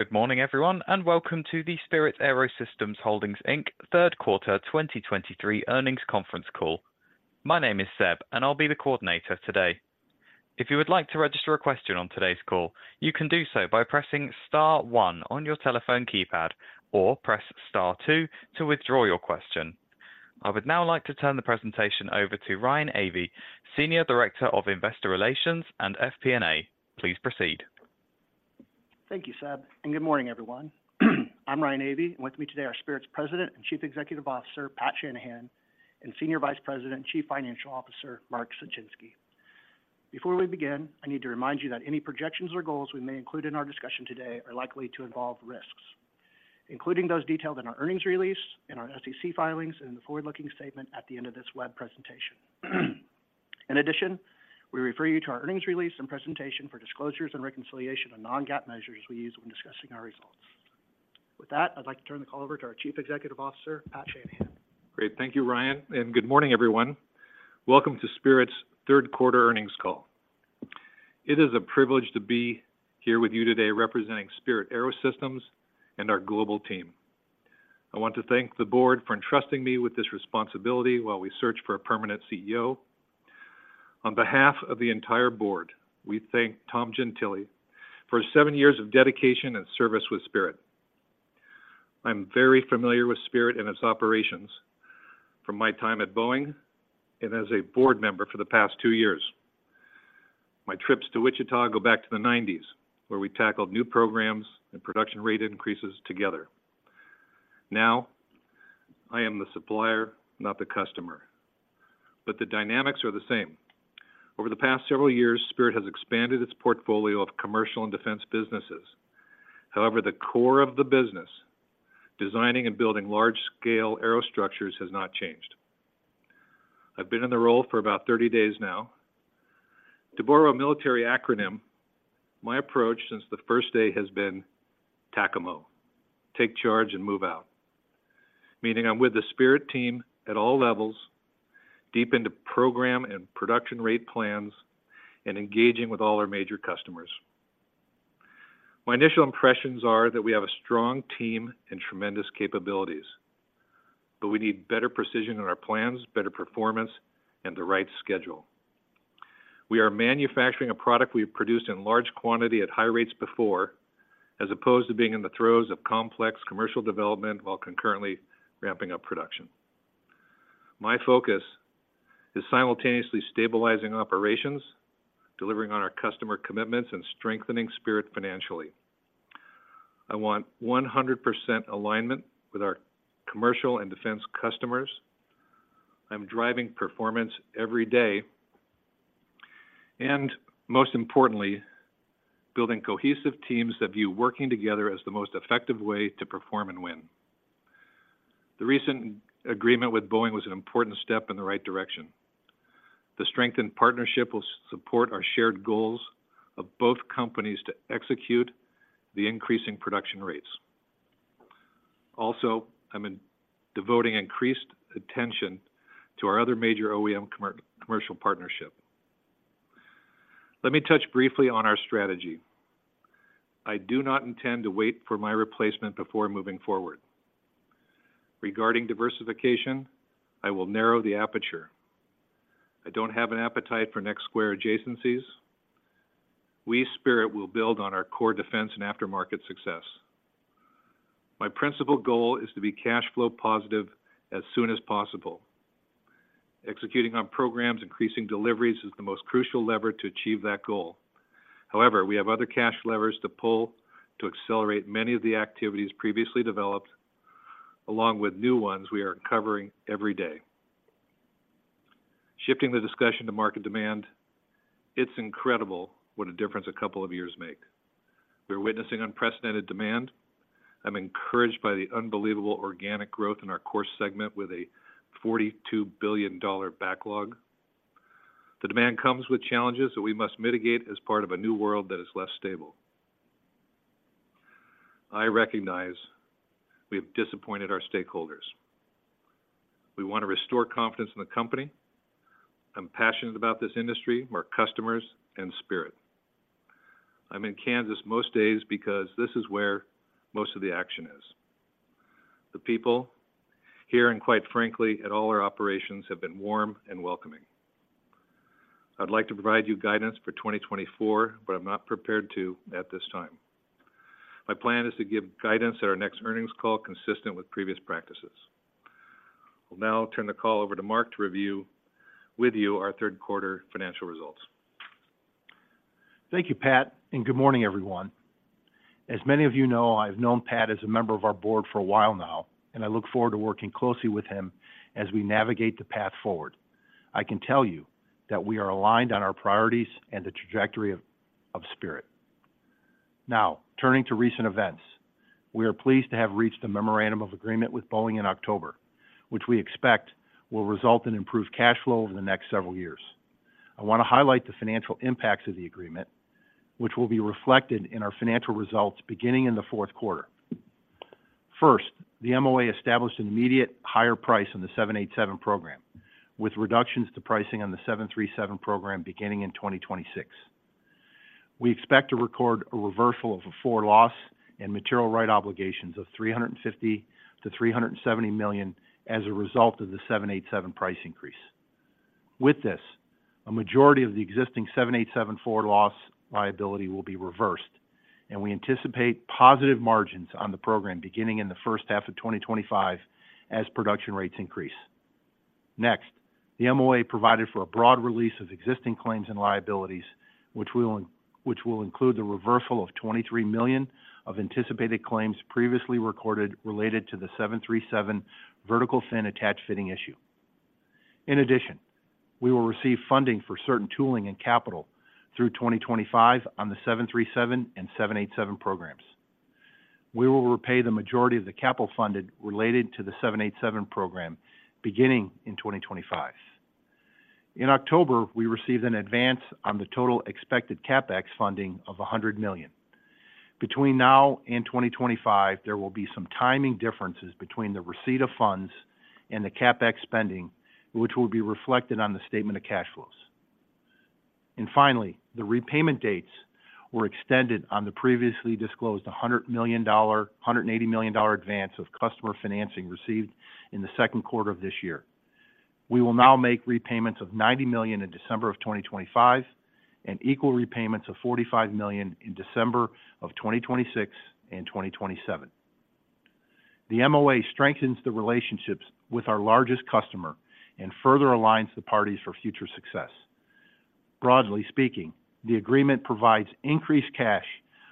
Good morning, everyone, and welcome to the Spirit AeroSystems Holdings, Inc. third quarter 2023 Earnings Conference Call. My name is Seb, and I'll be the coordinator today. If you would like to register a question on today's call, you can do so by pressing star one on your telephone keypad, or press star two to withdraw your question. I would now like to turn the presentation over to Ryan Avey, Senior Director of Investor Relations and FP&A. Please proceed. Thank you, Seb, and good morning, everyone. I'm Ryan Avey, and with me today are Spirit's President and Chief Executive Officer, Pat Shanahan, and Senior Vice President, Chief Financial Officer, Mark Suchinski. Before we begin, I need to remind you that any projections or goals we may include in our discussion today are likely to involve risks, including those detailed in our earnings release, in our SEC filings, and the forward-looking statement at the end of this web presentation. In addition, we refer you to our earnings release and presentation for disclosures and reconciliation of non-GAAP measures we use when discussing our results. With that, I'd like to turn the call over to our Chief Executive Officer, Pat Shanahan. Great. Thank you, Ryan, and good morning, everyone. Welcome to Spirit's third quarter earnings call. It is a privilege to be here with you today, representing Spirit AeroSystems and our global team. I want to thank the board for entrusting me with this responsibility while we search for a permanent CEO. On behalf of the entire board, we thank Tom Gentile for seven years of dedication and service with Spirit. I'm very familiar with Spirit and its operations from my time at Boeing and as a board member for the past two years. My trips to Wichita go back to the 90s, where we tackled new programs and production rate increases together. Now, I am the supplier, not the customer, but the dynamics are the same. Over the past several years, Spirit has expanded its portfolio of commercial and defense businesses. However, the core of the business, designing and building large-scale aerostructures, has not changed. I've been in the role for about 30 days now. To borrow a military acronym, my approach since the first day has been TACAMO, Take Charge And Move Out, meaning I'm with the Spirit team at all levels, deep into program and production rate plans and engaging with all our major customers. My initial impressions are that we have a strong team and tremendous capabilities, but we need better precision in our plans, better performance, and the right schedule. We are manufacturing a product we've produced in large quantity at high rates before, as opposed to being in the throes of complex commercial development while concurrently ramping up production. My focus is simultaneously stabilizing operations, delivering on our customer commitments, and strengthening Spirit financially. I want 100% alignment with our commercial and defense customers. I'm driving performance every day and, most importantly, building cohesive teams that view working together as the most effective way to perform and win. The recent agreement with Boeing was an important step in the right direction. The strengthened partnership will support our shared goals of both companies to execute the increasing production rates. Also, I'm devoting increased attention to our other major OEM commercial partnership. Let me touch briefly on our strategy. I do not intend to wait for my replacement before moving forward. Regarding diversification, I will narrow the aperture. I don't have an appetite for next square adjacencies. We, Spirit, will build on our core defense and aftermarket success. My principal goal is to be cash flow positive as soon as possible. Executing on programs, increasing deliveries, is the most crucial lever to achieve that goal. However, we have other cash levers to pull to accelerate many of the activities previously developed, along with new ones we are covering every day. Shifting the discussion to market demand, it's incredible what a difference a couple of years make. We're witnessing unprecedented demand. I'm encouraged by the unbelievable organic growth in our course segment with a $42 billion backlog. The demand comes with challenges that we must mitigate as part of a new world that is less stable. I recognize we have disappointed our stakeholders. We want to restore confidence in the company. I'm passionate about this industry, our customers, and Spirit. I'm in Kansas most days because this is where most of the action is. The people here, and quite frankly, at all our operations, have been warm and welcoming. I'd like to provide you guidance for 2024, but I'm not prepared to at this time. My plan is to give guidance at our next earnings call, consistent with previous practices. I will now turn the call over to Mark to review with you our third quarter financial results. Thank you, Pat, and good morning, everyone. As many of you know, I've known Pat as a member of our board for a while now, and I look forward to working closely with him as we navigate the path forward. I can tell you that we are aligned on our priorities and the trajectory of Spirit. Now, turning to recent events, we are pleased to have reached a memorandum of agreement with Boeing in October, which we expect will result in improved cash flow over the next several years. I want to highlight the financial impacts of the agreement, which will be reflected in our financial results beginning in the fourth quarter. First, the MOA established an immediate higher price on the 787 program, with reductions to pricing on the 737 program beginning in 2026. We expect to record a reversal of a forward loss and material right obligations of $350 million-$370 million as a result of the 787 price increase. With this, a majority of the existing 787 forward loss liability will be reversed, and we anticipate positive margins on the program beginning in the first half of 2025 as production rates increase. Next, the MOA provided for a broad release of existing claims and liabilities, which will include the reversal of $23 million of anticipated claims previously recorded related to the 737 vertical fin attached fitting issue. In addition, we will receive funding for certain tooling and capital through 2025 on the 737 and 787 programs. We will repay the majority of the capital funded related to the 787 program beginning in 2025. In October, we received an advance on the total expected CapEx funding of $100 million. Between now and 2025, there will be some timing differences between the receipt of funds and the CapEx spending, which will be reflected on the statement of cash flows. And finally, the repayment dates were extended on the previously disclosed $100 million, $180 million advance of customer financing received in the second quarter of this year. We will now make repayments of $90 million in December of 2025, and equal repayments of $45 million in December of 2026 and 2027. The MOA strengthens the relationships with our largest customer and further aligns the parties for future success. Broadly speaking, the agreement provides increased cash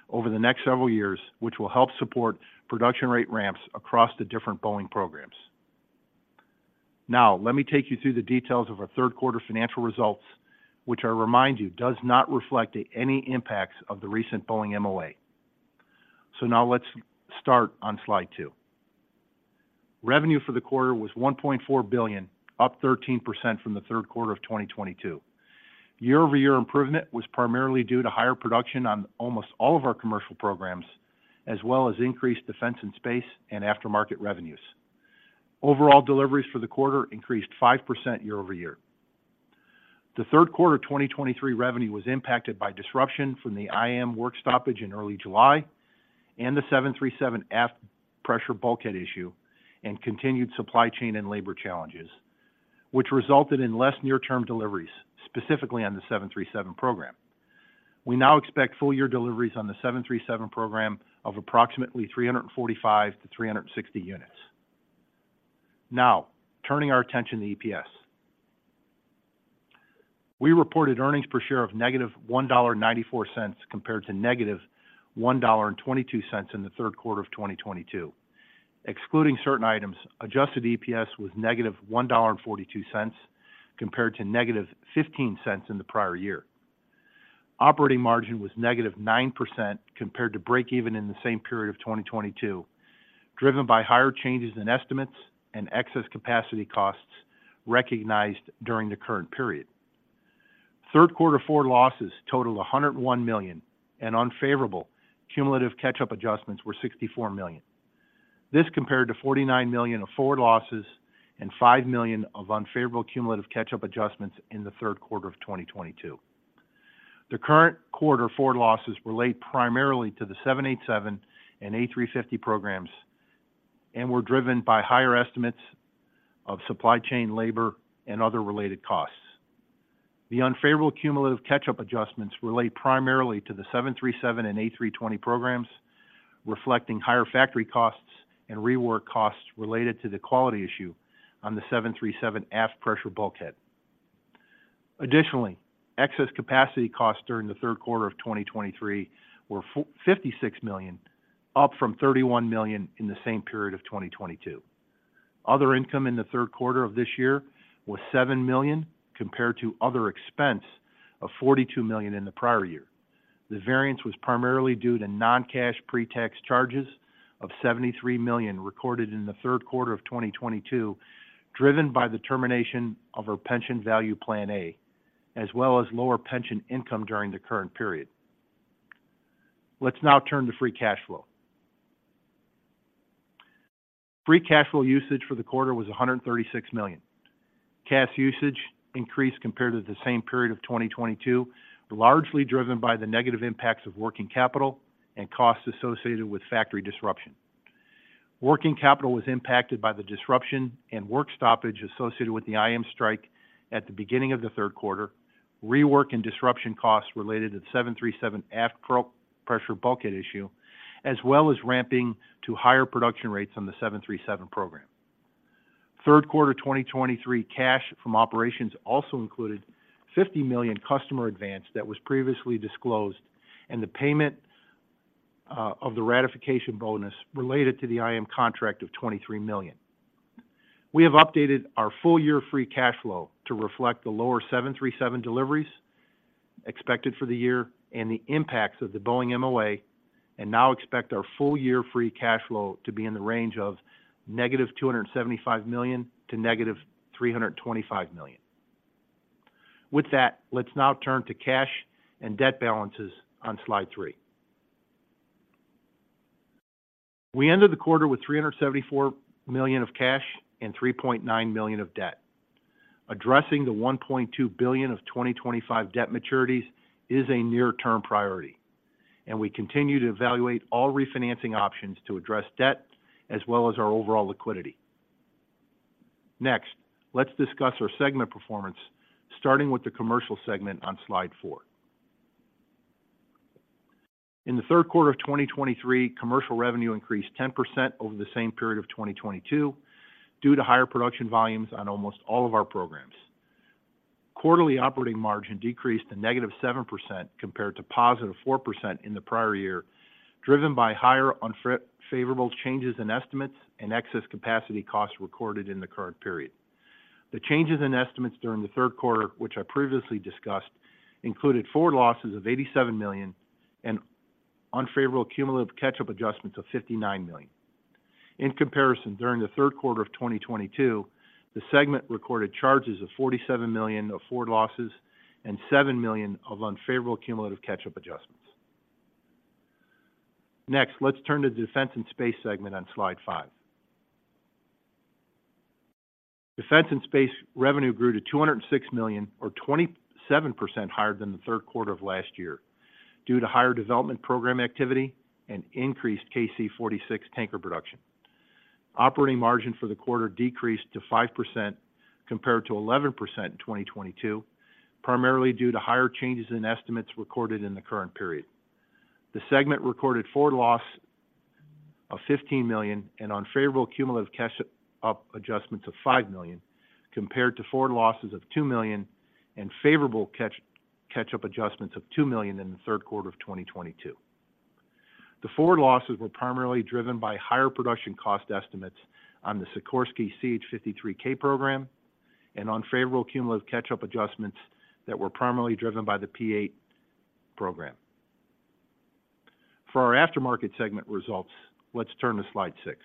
over the next several years, which will help support production rate ramps across the different Boeing programs. Now, let me take you through the details of our third quarter financial results, which I remind you, does not reflect any impacts of the recent Boeing MOA. So now let's start on slide two. Revenue for the quarter was $1.4 billion, up 13% from the third quarter of 2022. Year-over-year improvement was primarily due to higher production on almost all of our commercial programs, as well as increased defense and space and aftermarket revenues. Overall deliveries for the quarter increased 5% year-over-year. The third quarter 2023 revenue was impacted by disruption from the IAM work stoppage in early July and the 737 F pressure bulkhead issue and continued supply chain and labor challenges, which resulted in less near-term deliveries, specifically on the 737 program. We now expect full year deliveries on the 737 program of approximately 345-360 units. Now, turning our attention to EPS. We reported earnings per share of -$1.94, compared to -$1.22 in the third quarter of 2022. Excluding certain items, adjusted EPS was -$1.42, compared to -$0.15 in the prior year. Operating margin was -9% compared to breakeven in the same period of 2022, driven by higher changes in estimates and excess capacity costs recognized during the current period. Third quarter forward losses totaled $101 million, and unfavorable cumulative catch-up adjustments were $64 million. This compared to $49 million of forward losses and $5 million of unfavorable cumulative catch-up adjustments in the third quarter of 2022. The current quarter forward losses relate primarily to the 787 and A350 programs and were driven by higher estimates of supply chain, labor, and other related costs. The unfavorable cumulative catch-up adjustments relate primarily to the 737 and A320 programs, reflecting higher factory costs and rework costs related to the quality issue on the 737 F pressure bulkhead. Additionally, excess capacity costs during the third quarter of 2023 were $56 million, up from $31 million in the same period of 2022. Other income in the third quarter of this year was $7 million, compared to other expense of $42 million in the prior year. The variance was primarily due to non-cash pre-tax charges of $73 million recorded in the third quarter of 2022, driven by the termination of our pension value Plan A, as well as lower pension income during the current period. Let's now turn to free cash flow. Free cash flow usage for the quarter was $136 million. Cash usage increased compared to the same period of 2022, largely driven by the negative impacts of working capital and costs associated with factory disruption. Working capital was impacted by the disruption and work stoppage associated with the IAM strike at the beginning of the third quarter, rework and disruption costs related to the 737 forward pressure bulkhead issue, as well as ramping to higher production rates on the 737 program. Third quarter 2023 cash from operations also included $50 million customer advance that was previously disclosed, and the payment of the ratification bonus related to the IAM contract of $23 million. We have updated our full-year free cash flow to reflect the lower 737 deliveries expected for the year and the impacts of the Boeing MOA, and now expect our full-year free cash flow to be in the range of -$275 million to -$325 million. With that, let's now turn to cash and debt balances on slide three. We ended the quarter with $374 million of cash and $3.9 million of debt. Addressing the $1.2 billion of 2025 debt maturities is a near-term priority, and we continue to evaluate all refinancing options to address debt as well as our overall liquidity. Next, let's discuss our segment performance, starting with the commercial segment on Slide four. In the third quarter of 2023, commercial revenue increased 10% over the same period of 2022 due to higher production volumes on almost all of our programs. Quarterly operating margin decreased to -7% compared to +4% in the prior year, driven by higher unfavorable changes in estimates and excess capacity costs recorded in the current period. The changes in estimates during the third quarter, which I previously discussed, included forward losses of $87 million and unfavorable cumulative catch-up adjustments of $59 million. In comparison, during the third quarter of 2022, the segment recorded charges of $47 million of forward losses and $7 million of unfavorable cumulative catch-up adjustments. Next, let's turn to the defense and space segment on Slide five. Defense and space revenue grew to $206 million, or 27% higher than the third quarter of last year, due to higher development program activity and increased KC-46 tanker production. Operating margin for the quarter decreased to 5% compared to 11% in 2022, primarily due to higher changes in estimates recorded in the current period. The segment recorded forward loss of $15 million and unfavorable cumulative catch-up adjustments of $5 million, compared to forward losses of $2 million and favorable catch-up adjustments of $2 million in the third quarter of 2022. The forward losses were primarily driven by higher production cost estimates on the Sikorsky CH-53K program and unfavorable cumulative catch-up adjustments that were primarily driven by the P-8 program. For our aftermarket segment results, let's turn to Slide 6.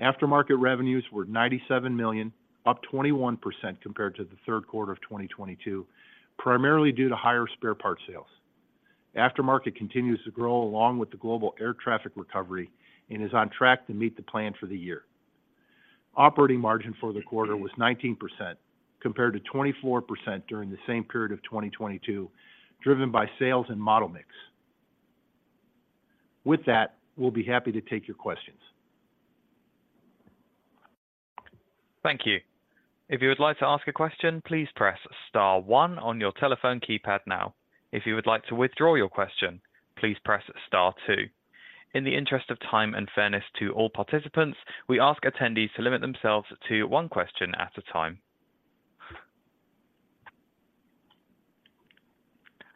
Aftermarket revenues were $97 million, up 21% compared to the third quarter of 2022, primarily due to higher spare part sales. Aftermarket continues to grow along with the global air traffic recovery and is on track to meet the plan for the year. Operating margin for the quarter was 19%, compared to 24% during the same period of 2022, driven by sales and model mix. With that, we'll be happy to take your questions. Thank you. If you would like to ask a question, please press star one on your telephone keypad now. If you would like to withdraw your question, please press star two. In the interest of time and fairness to all participants, we ask attendees to limit themselves to one question at a time.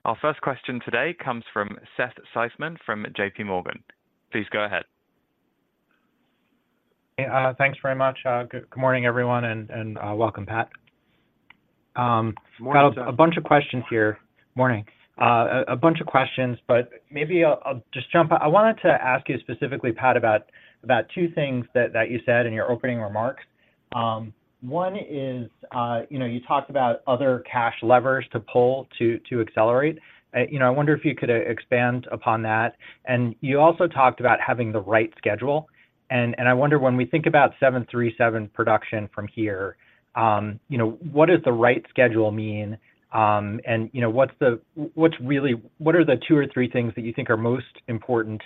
Our first question today comes from Seth Seifman from JPMorgan. Please go ahead. Hey, thanks very much. Good morning, everyone, and welcome, Pat. Morning, Seth. Got a bunch of questions here. Morning. A bunch of questions, but maybe I'll just jump. I wanted to ask you specifically, Pat, about two things that you said in your opening remarks. One is, you know, you talked about other cash levers to pull to accelerate. You know, I wonder if you could expand upon that. And you also talked about having the right schedule. And I wonder when we think about 737 production from here, you know, what does the right schedule mean? And, you know, what's really, what are the two or three things that you think are most important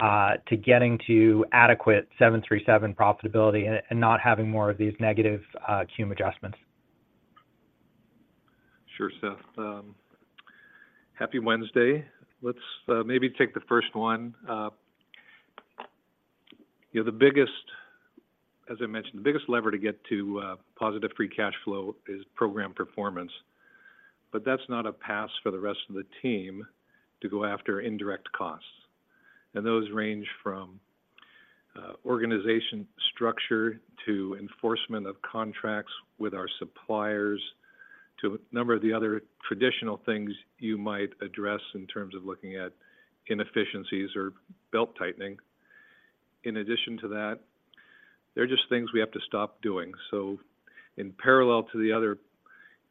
to getting to adequate 737 profitability and not having more of these negative cum adjustments? Sure, Seth. Happy Wednesday. Let's maybe take the first one. You know, the biggest, as I mentioned, the biggest lever to get to positive free cash flow is program performance, but that's not a pass for the rest of the team to go after indirect costs. And those range from organizational structure to enforcement of contracts with our suppliers, to a number of the other traditional things you might address in terms of looking at inefficiencies or belt-tightening. In addition to that, there are just things we have to stop doing. So in parallel to the other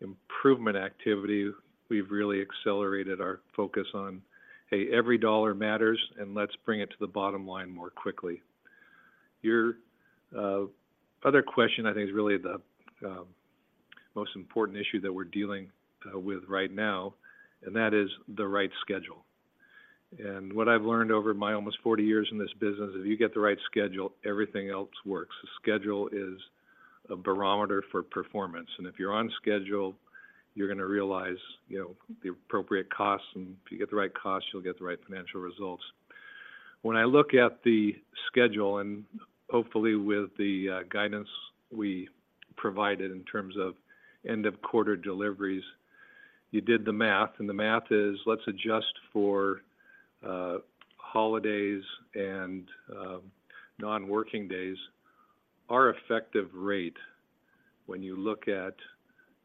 improvement activity, we've really accelerated our focus on, hey, every dollar matters, and let's bring it to the bottom line more quickly. Your other question, I think, is really the most important issue that we're dealing with right now, and that is the right schedule. What I've learned over my almost 40 years in this business, if you get the right schedule, everything else works. Schedule is a barometer for performance, and if you're on schedule, you're going to realize, you know, the appropriate costs, and if you get the right costs, you'll get the right financial results. When I look at the schedule, and hopefully with the guidance we provided in terms of end-of-quarter deliveries, you did the math, and the math is, let's adjust for holidays and non-working days. Our effective rate when you look at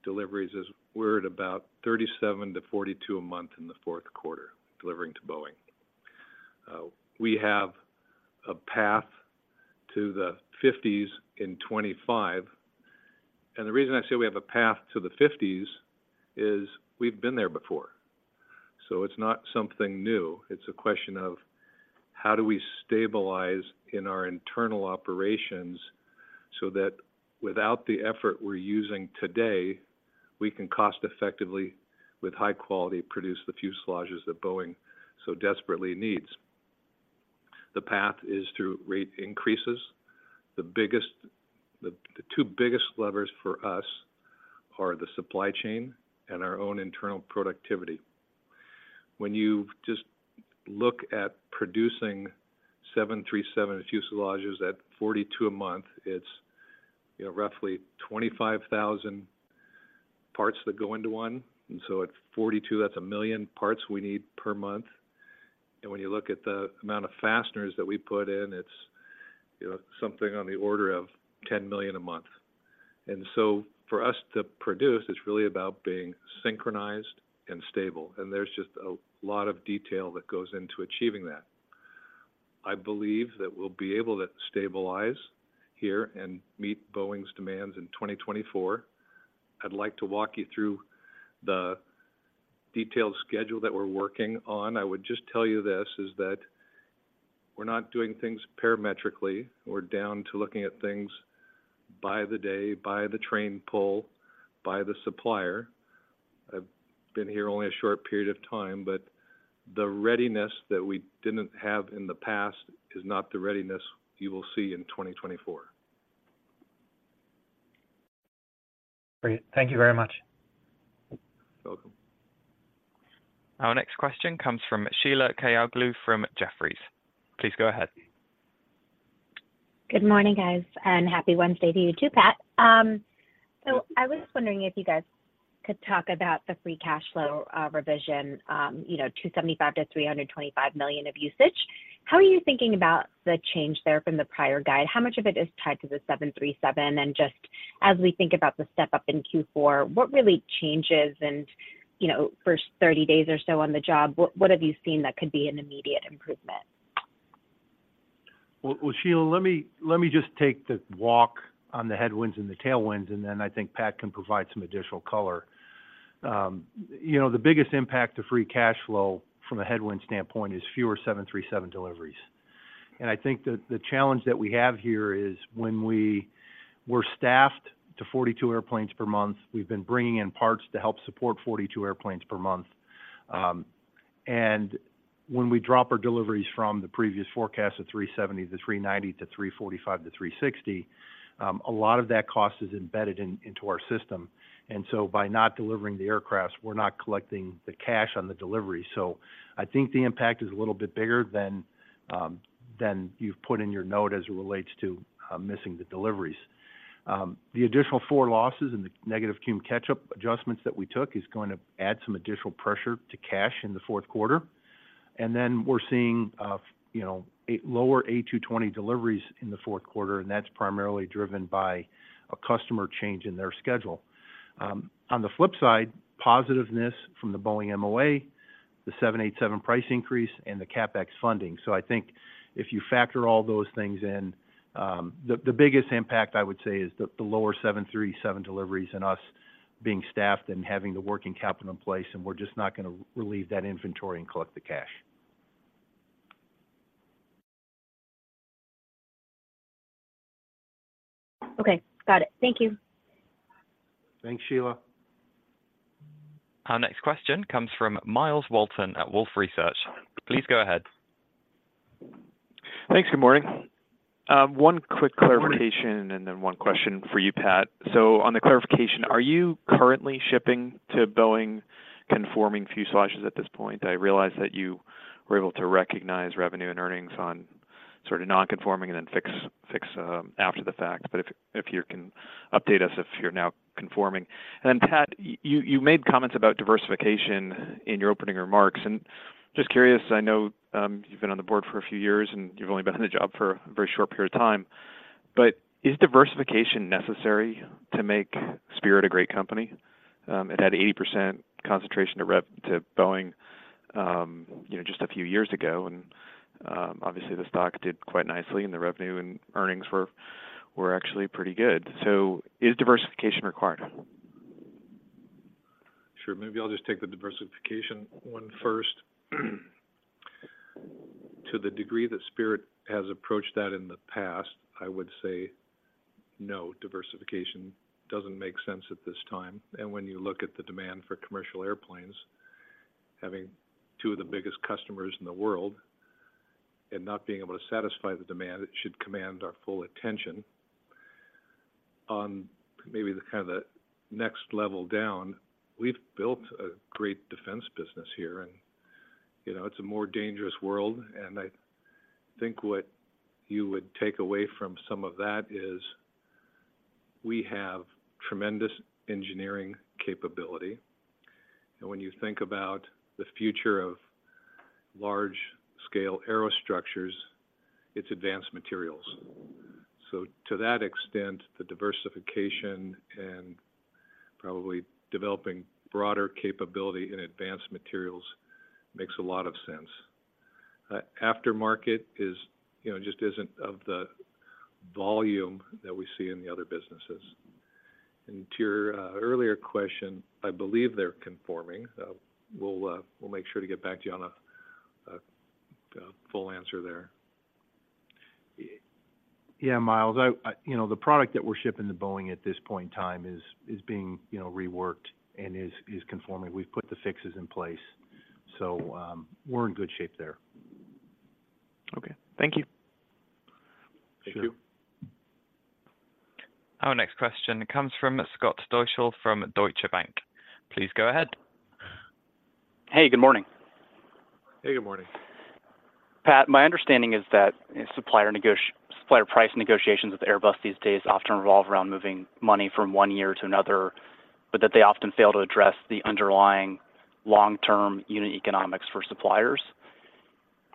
deliveries is we're at about 37-42 a month in the fourth quarter, delivering to Boeing. We have a path to the 50s in 2025, and the reason I say we have a path to the 50s is we've been there before, so it's not something new. It's a question of how do we stabilize in our internal operations so that without the effort we're using today, we can cost-effectively, with high quality, produce the fuselages that Boeing so desperately needs. The path is through rate increases. The biggest, the two biggest levers for us are the supply chain and our own internal productivity. When you just look at producing 737 fuselages at 42 a month, it's, you know, roughly 25,000 parts that go into one. And so at 42, that's 1 million parts we need per month. And when you look at the amount of fasteners that we put in, it's, you know, something on the order of 10 million a month. And so for us to produce, it's really about being synchronized and stable, and there's just a lot of detail that goes into achieving that. I believe that we'll be able to stabilize here and meet Boeing's demands in 2024. I'd like to walk you through the detailed schedule that we're working on. I would just tell you this, is that we're not doing things parametrically. We're down to looking at things by the day, by the train pull, by the supplier. I've been here only a short period of time, but the readiness that we didn't have in the past is not the readiness you will see in 2024. Great. Thank you very much. You're welcome. Our next question comes from Sheila Kahyaoglu from Jefferies. Please go ahead. Good morning, guys, and happy Wednesday to you too, Pat. So I was wondering if you guys could talk about the free cash flow revision, you know, $275 million-$325 million of usage. How are you thinking about the change there from the prior guide? How much of it is tied to the 737? And just as we think about the step up in Q4, what really changes? And, you know, first 30 days or so on the job, what have you seen that could be an immediate improvement? Well, well, Sheila, let me, let me just take the walk on the headwinds and the tailwinds, and then I think Pat can provide some additional color. You know, the biggest impact to free cash flow from a headwind standpoint is fewer 737 deliveries. And I think that the challenge that we have here is when we were staffed to 42 airplanes per month, we've been bringing in parts to help support 42 airplanes per month. And when we drop our deliveries from the previous forecast of 370-390 to 345-360, a lot of that cost is embedded in, into our system, and so by not delivering the aircraft, we're not collecting the cash on the delivery. So I think the impact is a little bit bigger than you've put in your note as it relates to missing the deliveries. The additional forward losses and the negative cumulative catch-up adjustments that we took is going to add some additional pressure to cash in the fourth quarter. And then we're seeing, you know, a lower A220 deliveries in the fourth quarter, and that's primarily driven by a customer change in their schedule. On the flip side, positiveness from the Boeing MOA, the 787 price increase, and the CapEx funding. So I think if you factor all those things in, the biggest impact, I would say, is the lower 737 deliveries and us being staffed and having the working capital in place, and we're just not going to relieve that inventory and collect the cash. Okay. Got it. Thank you. Thanks, Sheila. Our next question comes from Myles Walton at Wolfe Research. Please go ahead. Thanks. Good morning. One quick clarification- Good morning. And then one question for you, Pat. So on the clarification, are you currently shipping to Boeing conforming fuselages at this point? I realize that you were able to recognize revenue and earnings on sort of non-conforming and then fix, after the fact. But if you can update us, if you're now conforming. And then, Pat, you made comments about diversification in your opening remarks, and just curious, I know, you've been on the board for a few years, and you've only been on the job for a very short period of time, but is diversification necessary to make Spirit a great company? It had 80% concentration to Boeing, you know, just a few years ago, and, obviously, the stock did quite nicely, and the revenue and earnings were actually pretty good. So is diversification required? Sure. Maybe I'll just take the diversification one first. To the degree that Spirit has approached that in the past, I would say no, diversification doesn't make sense at this time. And when you look at the demand for commercial airplanes, having two of the biggest customers in the world and not being able to satisfy the demand, it should command our full attention. On maybe the kind of the next level down, we've built a great defense business here, and you know, it's a more dangerous world, and I think what you would take away from some of that is we have tremendous engineering capability. And when you think about the future of large-scale aerostructures, it's advanced materials. So to that extent, the diversification and probably developing broader capability in advanced materials makes a lot of sense. Aftermarket is, you know, just isn't of the volume that we see in the other businesses. And to your earlier question, I believe they're conforming. We'll make sure to get back to you on a full answer there. Yeah, Myles, you know, the product that we're shipping to Boeing at this point in time is being reworked and is conforming. We've put the fixes in place. So, we're in good shape there. Okay. Thank you. Thank you. Our next question comes from Scott Deuschle from Deutsche Bank. Please go ahead. Hey, good morning. Hey, good morning. Pat, my understanding is that supplier price negotiations with Airbus these days often revolve around moving money from one year to another, but that they often fail to address the underlying long-term unit economics for suppliers.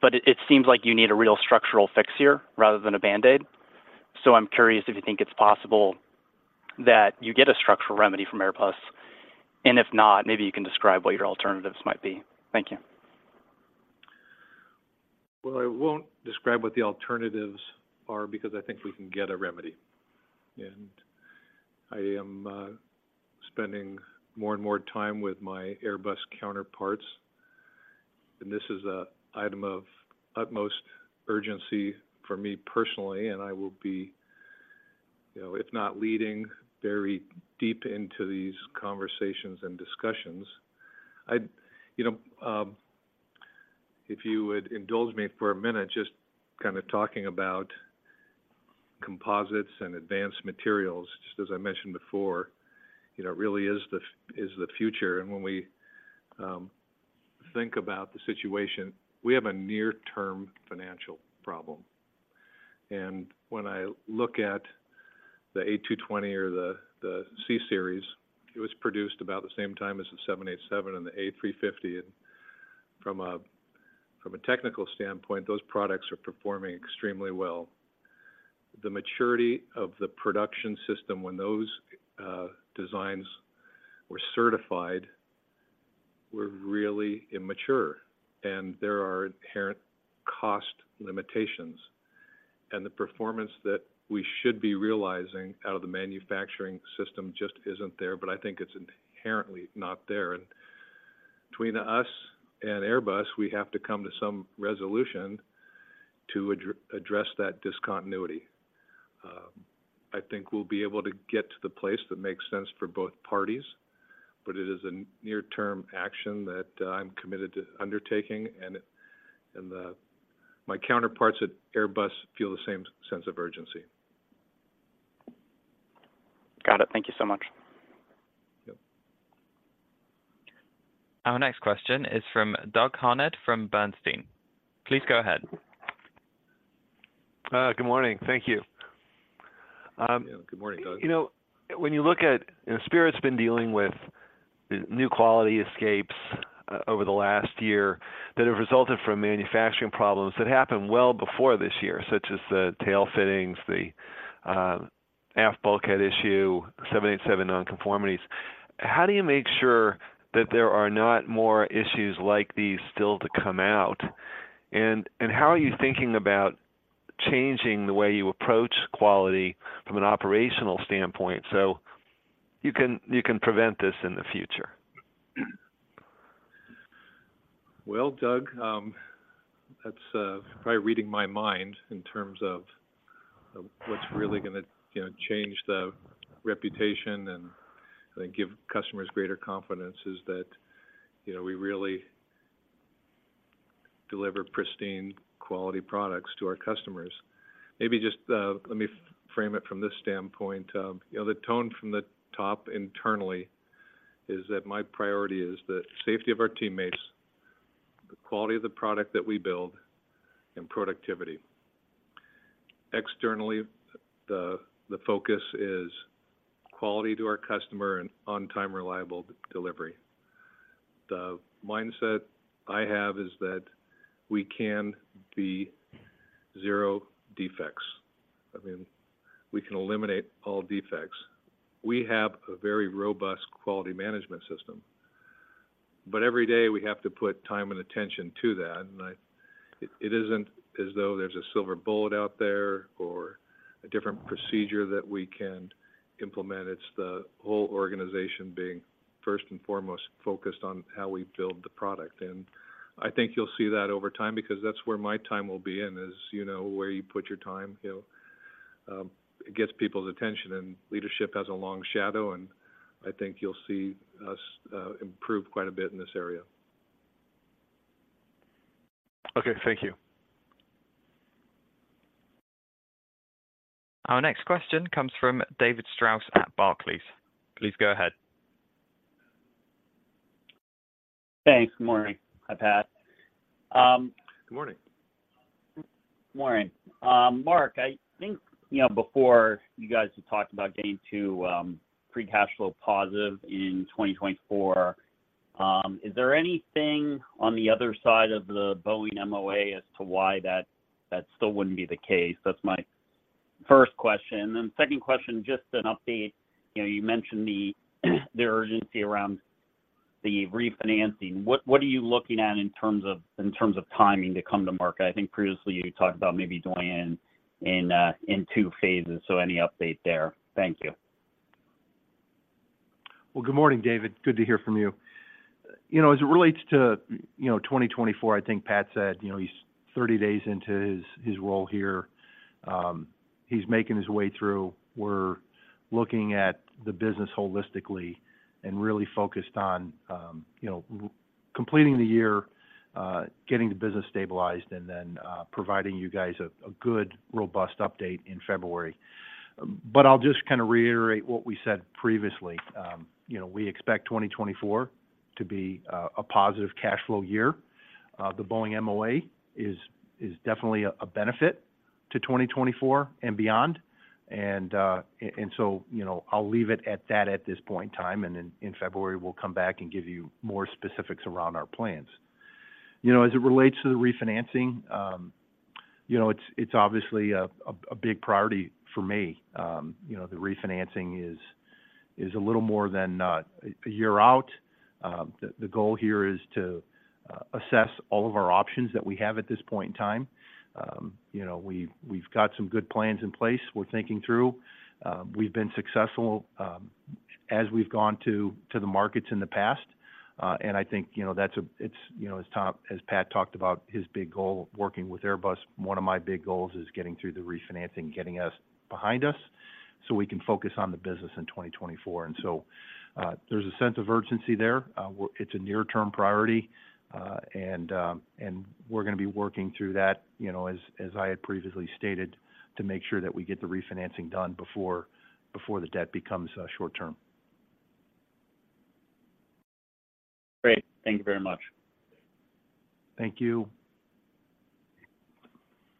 But it, it seems like you need a real structural fix here, rather than a band-aid. So I'm curious if you think it's possible that you get a structural remedy from Airbus, and if not, maybe you can describe what your alternatives might be. Thank you. Well, I won't describe what the alternatives are because I think we can get a remedy. I am spending more and more time with my Airbus counterparts, and this is an item of utmost urgency for me personally, and I will be, you know, if not leading, very deep into these conversations and discussions. I'd. You know, if you would indulge me for a minute, just kind of talking about composites and advanced materials, just as I mentioned before, you know, really is the future. When we think about the situation, we have a near-term financial problem. When I look at the A220 or the C Series, it was produced about the same time as the 787 and the A350, and from a technical standpoint, those products are performing extremely well. The maturity of the production system when those designs were certified were really immature, and there are inherent cost limitations. The performance that we should be realizing out of the manufacturing system just isn't there, but I think it's inherently not there. Between us and Airbus, we have to come to some resolution to address that discontinuity. I think we'll be able to get to the place that makes sense for both parties, but it is a near-term action that I'm committed to undertaking, and my counterparts at Airbus feel the same sense of urgency. Got it. Thank you so much. Yep. Our next question is from Doug Harned from Bernstein. Please go ahead. Good morning. Thank you. Good morning, Doug. You know, when you look at, and Spirit's been dealing with new quality escapes over the last year that have resulted from manufacturing problems that happened well before this year, such as the tail fittings, the aft bulkhead issue, 787 non-conformities. How do you make sure that there are not more issues like these still to come out? And how are you thinking about changing the way you approach quality from an operational standpoint, so you can prevent this in the future? Well, Doug, that's probably reading my mind in terms of what's really gonna, you know, change the reputation and give customers greater confidence, is that, you know, we really deliver pristine quality products to our customers. Maybe just let me frame it from this standpoint. You know, the tone from the top internally is that my priority is the safety of our teammates, the quality of the product that we build, and productivity. Externally, the focus is quality to our customer and on-time, reliable delivery. The mindset I have is that we can be zero defects. I mean, we can eliminate all defects. We have a very robust quality management system, but every day we have to put time and attention to that. And I... It isn't as though there's a silver bullet out there or a different procedure that we can implement. It's the whole organization being first and foremost focused on how we build the product. And I think you'll see that over time, because that's where my time will be in, is, you know, where you put your time, you know, it gets people's attention, and leadership has a long shadow, and I think you'll see us, improve quite a bit in this area. Okay. Thank you. Our next question comes from David Strauss at Barclays. Please go ahead. Thanks. Good morning. Hi, Pat. Good morning. Morning. Mark, I think, you know, before, you guys had talked about getting to free cash flow positive in 2024.... Is there anything on the other side of the Boeing MOA as to why that, that still wouldn't be the case? That's my first question. Then second question, just an update. You know, you mentioned the, the urgency around the refinancing. What, what are you looking at in terms of, in terms of timing to come to market? I think previously you talked about maybe going in, in, in two phases. So any update there? Thank you. Well, good morning, David. Good to hear from you. You know, as it relates to, you know, 2024, I think Pat said, you know, he's 30 days into his, his role here. He's making his way through. We're looking at the business holistically and really focused on, you know, completing the year, getting the business stabilized, and then, providing you guys a, a good, robust update in February. But I'll just kind of reiterate what we said previously. You know, we expect 2024 to be a, a positive cash flow year. The Boeing MOA is, is definitely a, a benefit to 2024 and beyond. And, and so, you know, I'll leave it at that at this point in time, and then in February, we'll come back and give you more specifics around our plans. You know, as it relates to the refinancing, you know, it's obviously a big priority for me. You know, the refinancing is a little more than a year out. The goal here is to assess all of our options that we have at this point in time. You know, we've got some good plans in place we're thinking through. We've been successful, as we've gone to the markets in the past, and I think, you know, it's, you know, as Pat talked about his big goal working with Airbus, one of my big goals is getting through the refinancing, getting it behind us, so we can focus on the business in 2024. And so, there's a sense of urgency there. It's a near-term priority, and we're going to be working through that, you know, as I had previously stated, to make sure that we get the refinancing done before the debt becomes short term. Great. Thank you very much. Thank you.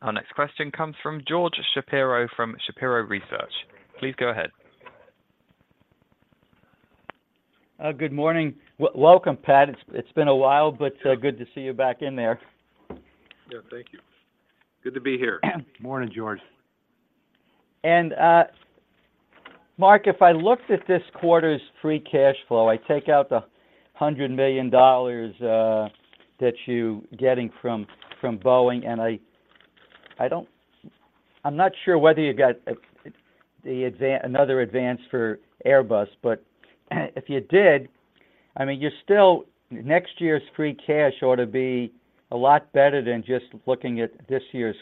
Our next question comes from George Shapiro from Shapiro Research. Please go ahead. Good morning. Welcome, Pat. It's been a while, but good to see you back in there. Yeah, thank you. Good to be here. Morning, George. Mark, if I looked at this quarter's free cash flow, I take out the $100 million that you're getting from Boeing, and I don't—I'm not sure whether you got another advance for Airbus, but if you did, I mean, you're still, next year's free cash ought to be a lot better than just looking at this year's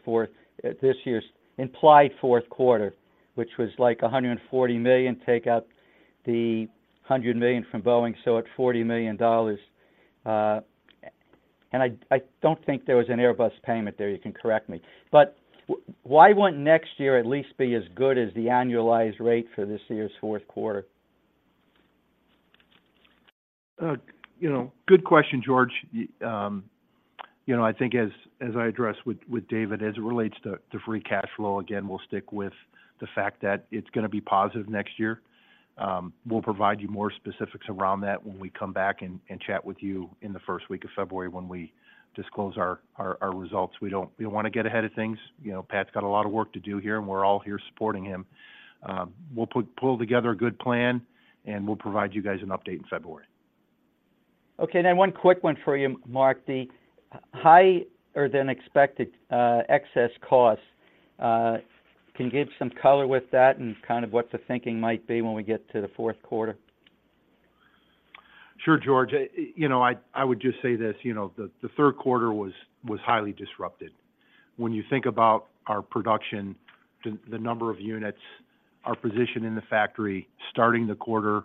implied fourth quarter, which was like $140 million, take out the $100 million from Boeing, so at $40 million. And I don't think there was an Airbus payment there, you can correct me. But why wouldn't next year at least be as good as the annualized rate for this year's fourth quarter? You know, good question, George. You know, I think as I addressed with David, as it relates to free cash flow, again, we'll stick with the fact that it's going to be positive next year. We'll provide you more specifics around that when we come back and chat with you in the first week of February, when we disclose our results. We don't want to get ahead of things. You know, Pat's got a lot of work to do here, and we're all here supporting him. We'll pull together a good plan, and we'll provide you guys an update in February. Okay, then one quick one for you, Mark. The higher than expected excess costs, can you give some color with that and kind of what the thinking might be when we get to the fourth quarter? Sure, George. You know, I, I would just say this, you know, the, the third quarter was, was highly disrupted. When you think about our production, the, the number of units, our position in the factory, starting the quarter,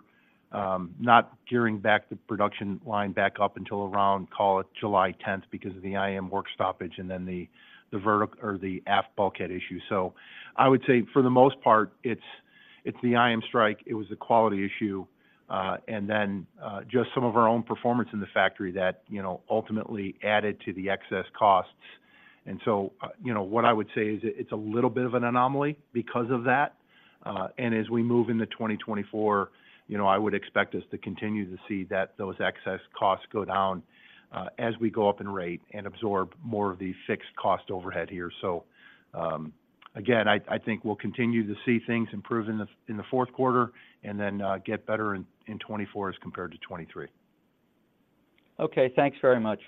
not gearing back the production line back up until around, call it July tenth, because of the IAM work stoppage and then the, the vertic- or the Aft bulkhead issue. So I would say, for the most part, it's, it's the IAM strike, it was a quality issue, and then just some of our own performance in the factory that, you know, ultimately added to the excess costs. And so, you know, what I would say is it's a little bit of an anomaly because of that. And as we move into 2024, you know, I would expect us to continue to see that those excess costs go down, as we go up in rate and absorb more of the fixed cost overhead here. So, again, I think we'll continue to see things improve in the fourth quarter and then get better in 2024 as compared to 2023. Okay, thanks very much.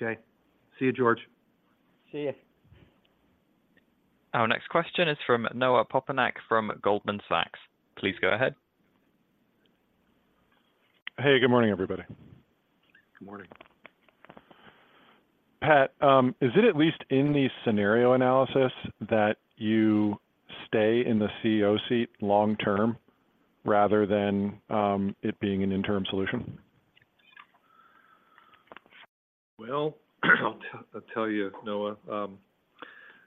Okay. See you, George. See you. Our next question is from Noah Poponak from Goldman Sachs. Please go ahead. Hey, good morning, everybody. Good morning. Pat, is it at least in the scenario analysis that you stay in the CEO seat long term, rather than, it being an interim solution? Well, I'll tell you, Noah,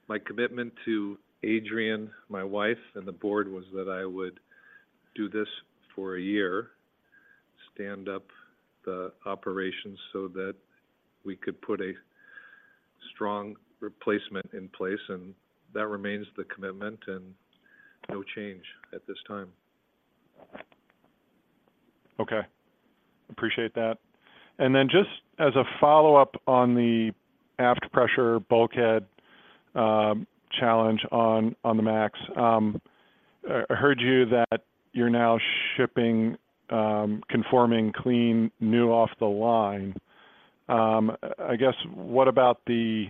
my commitment to Adrienne, my wife, and the board was that I would do this for a year, stand up the operations so that we could put a strong replacement in place, and that remains the commitment, and no change at this time. Okay. Appreciate that. And then just as a follow-up on the Aft pressure bulkhead challenge on the MAX, I heard you that you're now shipping conforming clean new off the line. I guess what about the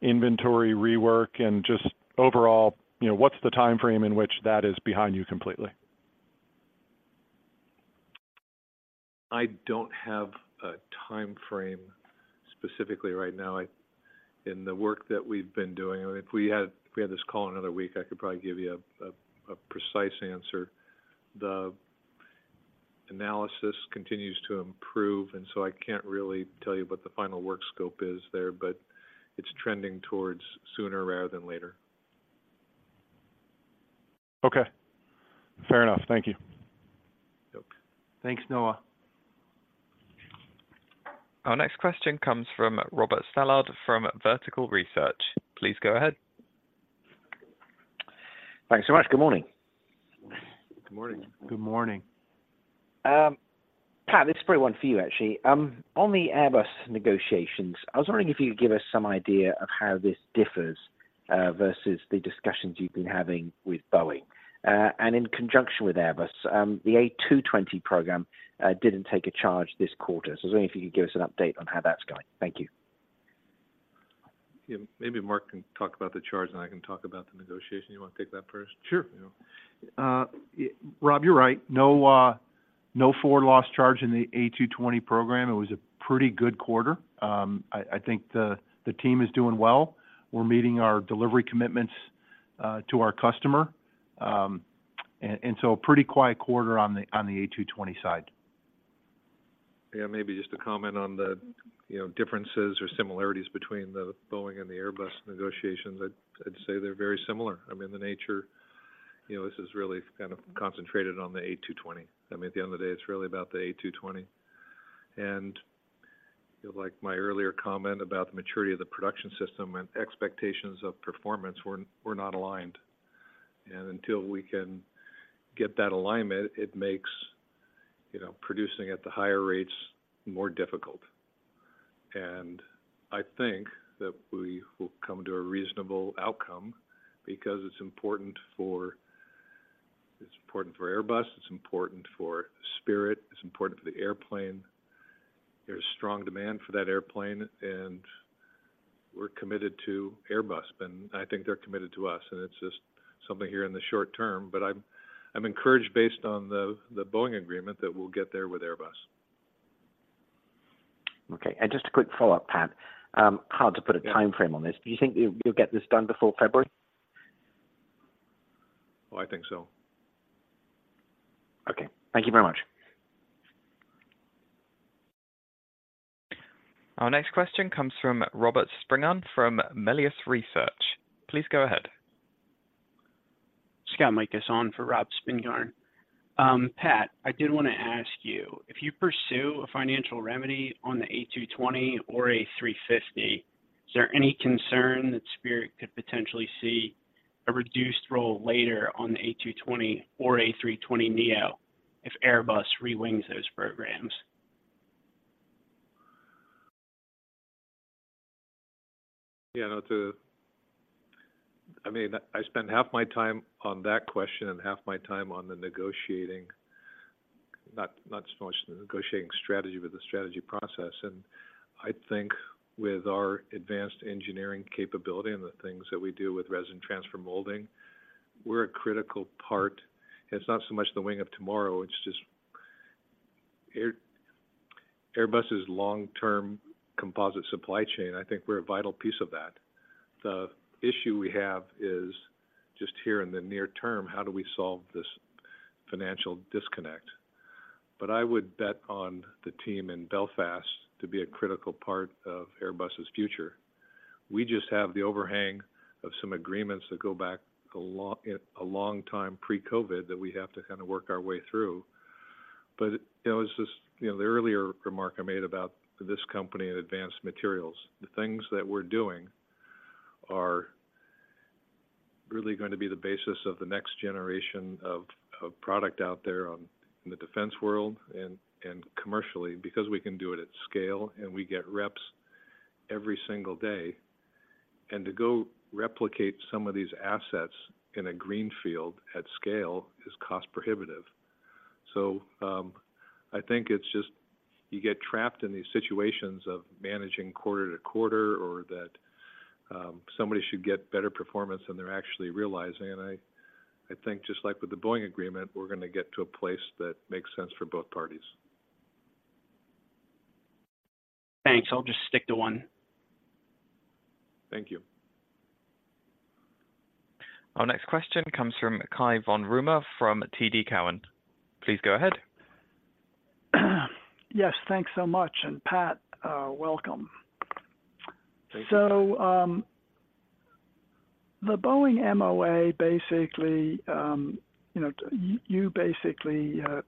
inventory rework and just overall, you know, what's the timeframe in which that is behind you completely? I don't have a timeframe specifically right now. In the work that we've been doing, I mean, if we had this call another week, I could probably give you a precise answer. The analysis continues to improve, and so I can't really tell you what the final work scope is there, but it's trending towards sooner rather than later. Okay. Fair enough. Thank you. Yep. Thanks, Noah. Our next question comes from Robert Stallard from Vertical Research. Please go ahead. Thanks so much. Good morning. Good morning. Good morning. Pat, this is probably one for you, actually. On the Airbus negotiations, I was wondering if you could give us some idea of how this differs versus the discussions you've been having with Boeing. And in conjunction with Airbus, the A220 program didn't take a charge this quarter. So I was wondering if you could give us an update on how that's going. Thank you. Yeah. Maybe Mark can talk about the charge, and I can talk about the negotiation. You wanna take that first? Sure. Yeah. Rob, you're right. No, no forward loss charge in the A220 program. It was a pretty good quarter. I think the team is doing well. We're meeting our delivery commitments to our customer. And so a pretty quiet quarter on the A220 side. Yeah, maybe just to comment on the, you know, differences or similarities between the Boeing and the Airbus negotiations, I'd, I'd say they're very similar. I mean, the nature, you know, this is really kind of concentrated on the A220. I mean, at the end of the day, it's really about the A220. And, you know, like my earlier comment about the maturity of the production system and expectations of performance were, were not aligned. And until we can get that alignment, it makes, you know, producing at the higher rates more difficult. And I think that we will come to a reasonable outcome because it's important for... It's important for Airbus, it's important for Spirit, it's important for the airplane. There's strong demand for that airplane, and we're committed to Airbus, and I think they're committed to us, and it's just something here in the short term. But I'm encouraged, based on the Boeing agreement, that we'll get there with Airbus. Okay. Just a quick follow-up, Pat. Hard to put a- Yeah... timeframe on this. Do you think you, you'll get this done before February? Oh, I think so. Okay. Thank you very much. Our next question comes from Robert Spingarn from Melius Research. Please go ahead. Just got my mic on for Rob Spingarn. Pat, I did wanna ask you, if you pursue a financial remedy on the A220 or A350, is there any concern that Spirit could potentially see a reduced role later on the A220 or A320neo if Airbus re-wings those programs? Yeah, no, to—I mean, I spend half my time on that question and half my time on the negotiating, not, not so much the negotiating strategy, but the strategy process. And I think with our advanced engineering capability and the things that we do with resin transfer molding, we're a critical part. It's not so much the wing of tomorrow, it's just Airbus's long-term composite supply chain, I think we're a vital piece of that. The issue we have is just here in the near term, how do we solve this financial disconnect? But I would bet on the team in Belfast to be a critical part of Airbus's future. We just have the overhang of some agreements that go back a long, a long time pre-COVID that we have to kind of work our way through. You know, it's just, you know, the earlier remark I made about this company and advanced materials. The things that we're doing are really going to be the basis of the next generation of product out there in the defense world and commercially, because we can do it at scale, and we get reps every single day. And to go replicate some of these assets in a greenfield at scale is cost prohibitive. So, I think it's just, you get trapped in these situations of managing quarter to quarter or that somebody should get better performance than they're actually realizing. And I think, just like with the Boeing agreement, we're gonna get to a place that makes sense for both parties. Thanks. I'll just stick to one. Thank you. Our next question comes from Cai von Rumohr, from TD Cowen. Please go ahead. Yes, thanks so much, and Pat, welcome. Thank you.... The Boeing MOA basically, you know, you basically have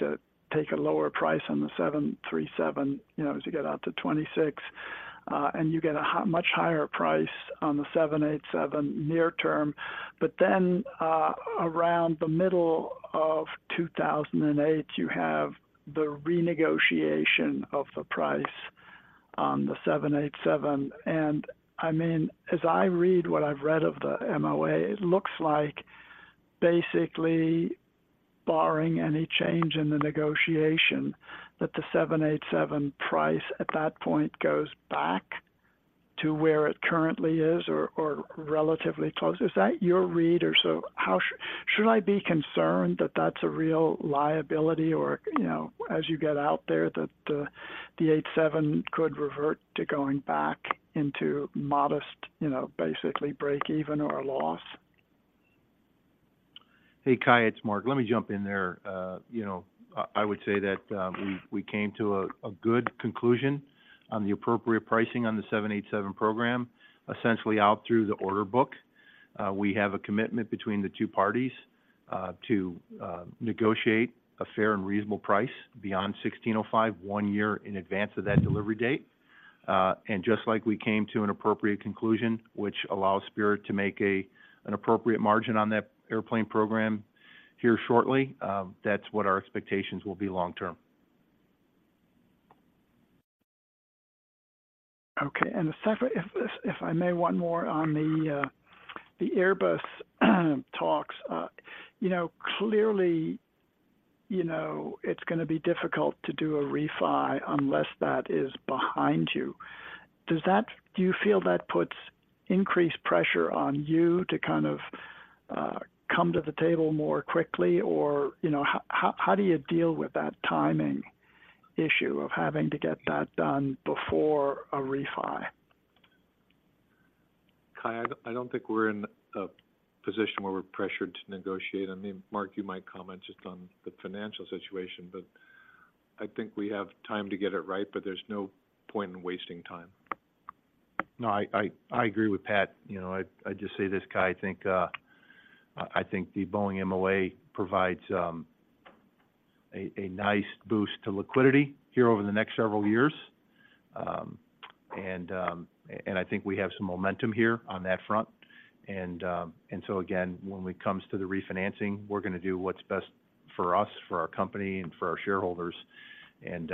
to take a lower price on the 737, you know, as you get out to 2026, and you get a much higher price on the 787 near term. But then, around the middle of 2008, you have the renegotiation of the price on the 787. And I mean, as I read what I've read of the MOA, it looks like basically barring any change in the negotiation, that the 787 price at that point goes back to where it currently is or relatively close. Should I be concerned that that's a real liability or, you know, as you get out there, that the 787 could revert to going back into modest, you know, basically break even or a loss? Hey, Cai, it's Mark. Let me jump in there. You know, I would say that we came to a good conclusion on the appropriate pricing on the 787 program. Essentially out through the order book, we have a commitment between the two parties to negotiate a fair and reasonable price beyond 16-05, one year in advance of that delivery date. And just like we came to an appropriate conclusion, which allows Spirit to make an appropriate margin on that airplane program here shortly, that's what our expectations will be long term. Okay. And a separate—if I may—one more on the Airbus talks. You know, clearly, you know, it's going to be difficult to do a refi unless that is behind you. Does that—do you feel that puts increased pressure on you to kind of come to the table more quickly? Or, you know, how do you deal with that timing issue of having to get that done before a refi? Cai, I don't think we're in a position where we're pressured to negotiate. I mean, Mark, you might comment just on the financial situation, but I think we have time to get it right, but there's no point in wasting time. No, I agree with Pat. You know, I'd just say this, Cai. I think the Boeing MOA provides a nice boost to liquidity here over the next several years. And I think we have some momentum here on that front. And so again, when it comes to the refinancing, we're going to do what's best for us, for our company, and for our shareholders, and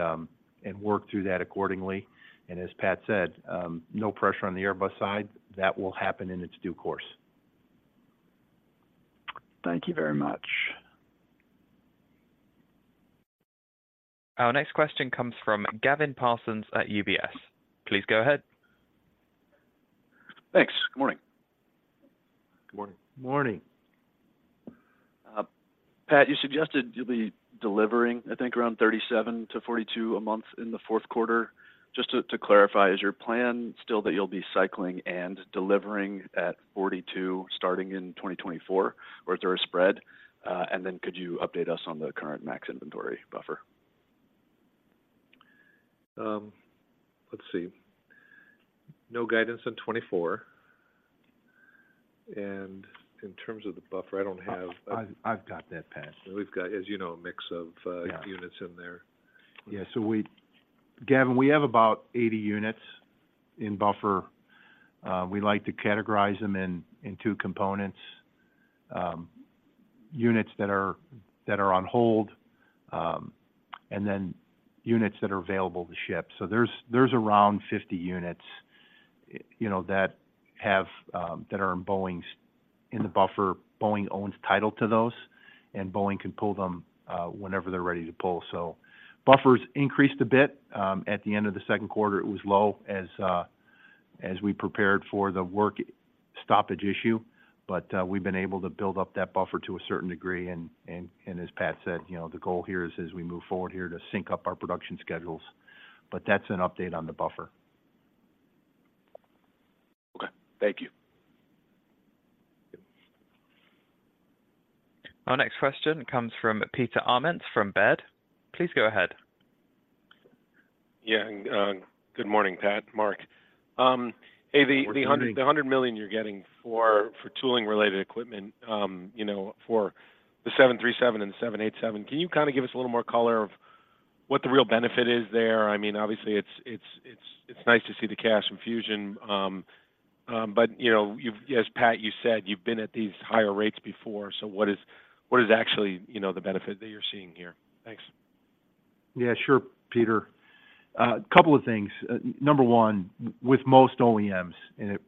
work through that accordingly. And as Pat said, no pressure on the Airbus side. That will happen in its due course. Thank you very much. Our next question comes from Gavin Parsons at UBS. Please go ahead. Thanks. Good morning. Good morning. Morning. Pat, you suggested you'll be delivering, I think, around 37-42 a month in the fourth quarter. Just to clarify, is your plan still that you'll be cycling and delivering at 42, starting in 2024, or is there a spread? And then could you update us on the current MAX inventory buffer? Let's see. No guidance on 2024. In terms of the buffer, I don't have- I've got that, Pat. We've got, as you know, a mix of, Yeah... units in there. Yeah, so we, Gavin, we have about 80 units in buffer. We like to categorize them in two components, units that are on hold, and then units that are available to ship. So there's around 50 units, you know, that have that are in Boeing's in the buffer. Boeing owns title to those, and Boeing can pull them whenever they're ready to pull. So buffer's increased a bit. At the end of the second quarter, it was low as we prepared for the work stoppage issue, but we've been able to build up that buffer to a certain degree. And as Pat said, you know, the goal here is as we move forward here, to sync up our production schedules. But that's an update on the buffer. Okay. Thank you. Yep. Our next question comes from Peter Ament from Baird. Please go ahead. Yeah, and good morning, Pat, Mark. Hey, the- Good morning... the hundred million you're getting for tooling-related equipment, you know, for the 737 and the 787, can you kind of give us a little more color on what the real benefit is there? I mean, obviously, it's nice to see the cash infusion, but, you know, you've—as Pat, you said, you've been at these higher rates before, so what is actually, you know, the benefit that you're seeing here? Thanks. Yeah, sure, Peter. A couple of things. Number one, with most OEMs, and it,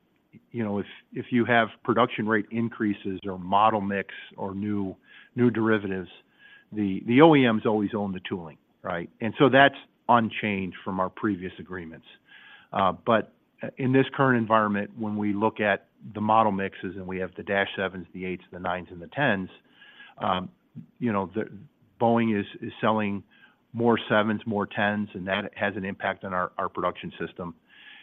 you know, if you have production rate increases or model mix or new derivatives, the OEMs always own the tooling, right? And so that's unchanged from our previous agreements. But, in this current environment, when we look at the model mixes, and we have the dash 7s, the 8s, the 9s, and the 10s, you know, Boeing is selling more 7s, more 10s, and that has an impact on our production system.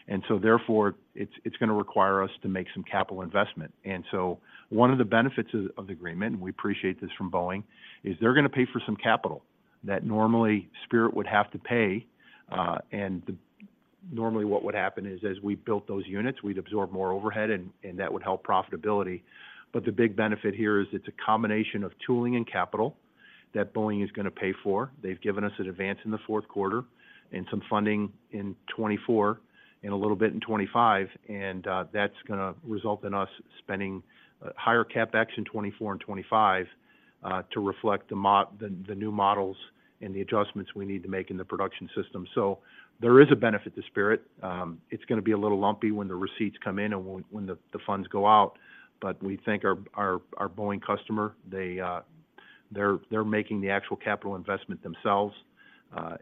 And so therefore, it's going to require us to make some capital investment. And so one of the benefits of the agreement, and we appreciate this from Boeing, is they're going to pay for some capital.... that normally Spirit would have to pay. Normally what would happen is, as we built those units, we'd absorb more overhead, and that would help profitability. But the big benefit here is it's a combination of tooling and capital that Boeing is gonna pay for. They've given us an advance in the fourth quarter and some funding in 2024 and a little bit in 2025, and that's gonna result in us spending higher CapEx in 2024 and 2025 to reflect the new models and the adjustments we need to make in the production system. So there is a benefit to Spirit. It's gonna be a little lumpy when the receipts come in and when the funds go out, but we thank our Boeing customer. They're making the actual capital investment themselves,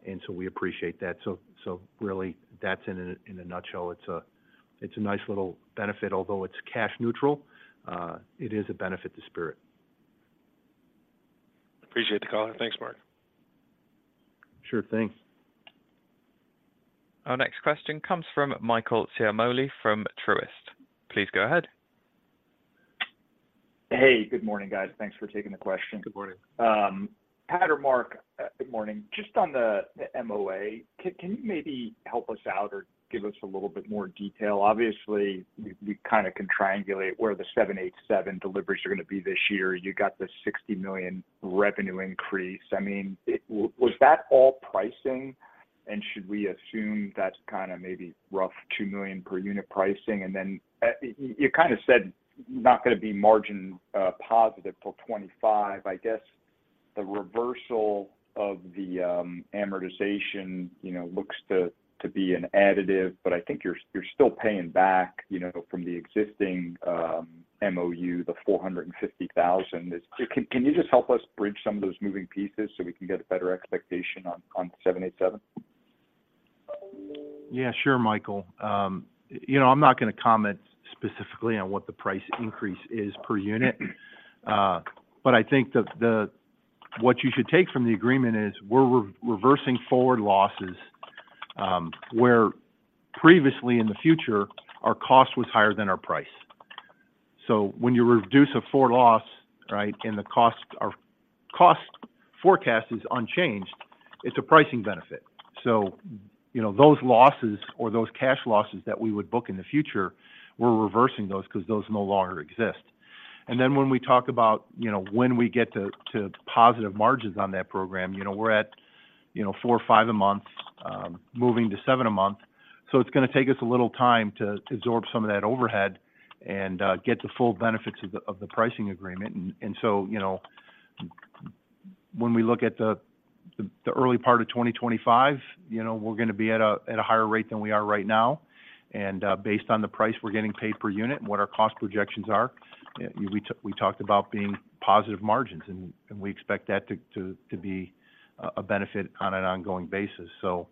and so we appreciate that. So really, that's in a nutshell. It's a nice little benefit. Although it's cash neutral, it is a benefit to Spirit. Appreciate the call. Thanks, Mark. Sure thing. Our next question comes from Michael Ciarmoli from Truist. Please go ahead. Hey, good morning, guys. Thanks for taking the question. Good morning. Pat or Mark, good morning. Just on the MOA, can you maybe help us out or give us a little bit more detail? Obviously, you kind of can triangulate where the 787 deliveries are gonna be this year. You got the $60 million revenue increase. I mean, was that all pricing, and should we assume that's kind of maybe rough $2 million per unit pricing? And then, you kind of said not gonna be margin positive till 2025. I guess the reversal of the amortization, you know, looks to be an additive, but I think you're still paying back, you know, from the existing MOU, the $450,000. Is... Can you just help us bridge some of those moving pieces so we can get a better expectation on 787? Yeah, sure, Michael. You know, I'm not gonna comment specifically on what the price increase is per unit. But I think what you should take from the agreement is, we're reversing forward losses, where previously in the future, our cost was higher than our price. So when you reduce a forward loss, right, and the cost, or cost forecast is unchanged, it's a pricing benefit. So, you know, those losses or those cash losses that we would book in the future, we're reversing those because those no longer exist. And then when we talk about, you know, when we get to positive margins on that program, you know, we're at 4 or 5 a month, moving to 7 a month. So it's gonna take us a little time to absorb some of that overhead and get the full benefits of the pricing agreement. And so, you know, when we look at the early part of 2025, you know, we're gonna be at a higher rate than we are right now. And based on the price we're getting paid per unit and what our cost projections are, we talked about being positive margins, and we expect that to be a benefit on an ongoing basis. So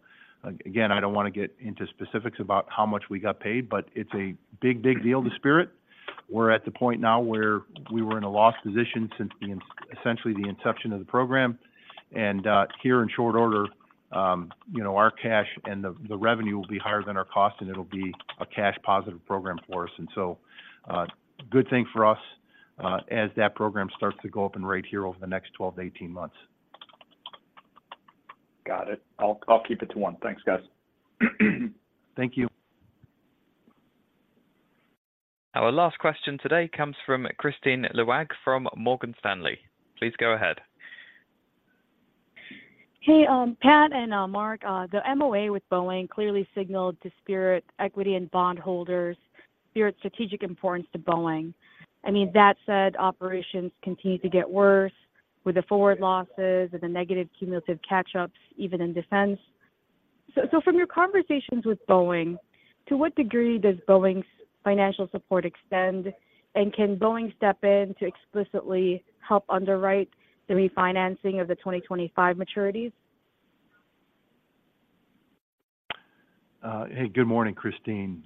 again, I don't wanna get into specifics about how much we got paid, but it's a big, big deal to Spirit. We're at the point now where we were in a loss position since essentially the inception of the program. Here in short order, you know, our cash and the revenue will be higher than our cost, and it'll be a cash positive program for us. So, good thing for us, as that program starts to go up in rate here over the next 12-18 months. Got it. I'll keep it to one. Thanks, guys. Thank you. Our last question today comes from Kristine Liwag from Morgan Stanley. Please go ahead. Hey, Pat and Mark, the MOA with Boeing clearly signaled to Spirit equity and bondholders, Spirit's strategic importance to Boeing. I mean, that said, operations continue to get worse with the forward losses and the negative cumulative catch-ups, even in defense. So, from your conversations with Boeing, to what degree does Boeing's financial support extend? And can Boeing step in to explicitly help underwrite the refinancing of the 2025 maturities? Hey, good morning, Kristine.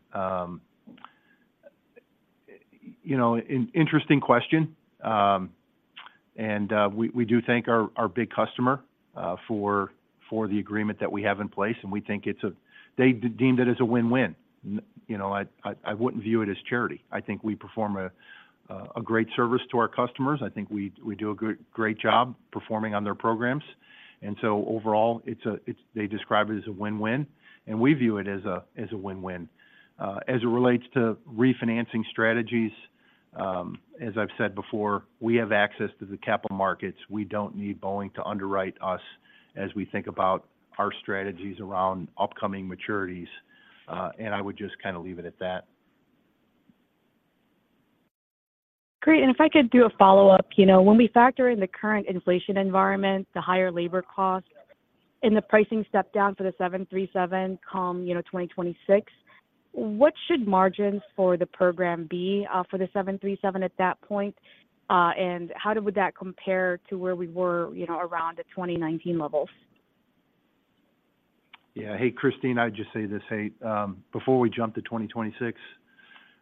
You know, interesting question. We do thank our big customer for the agreement that we have in place, and we think it's a win-win. They deemed it as a win-win. You know, I wouldn't view it as charity. I think we perform a great service to our customers. I think we do a great job performing on their programs. And so overall, it's a win-win, they describe it as a win-win, and we view it as a win-win. As it relates to refinancing strategies, as I've said before, we have access to the capital markets. We don't need Boeing to underwrite us as we think about our strategies around upcoming maturities. And I would just kind of leave it at that. Great, and if I could do a follow-up. You know, when we factor in the current inflation environment, the higher labor cost, and the pricing step-down for the 737 come, you know, 2026, what should margins for the program be, for the 737 at that point? And how would that compare to where we were, you know, around the 2019 levels? Yeah. Hey, Kristine, I'd just say this: Hey, before we jump to 2026,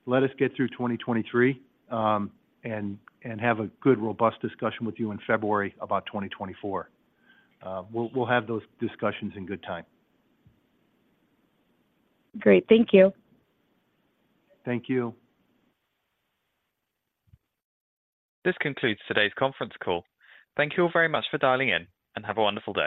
let us get through 2023, and, and have a good, robust discussion with you in February about 2024. We'll, we'll have those discussions in good time. Great. Thank you. Thank you. This concludes today's conference call. Thank you all very much for dialing in, and have a wonderful day.